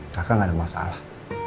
kakak gak ada masalah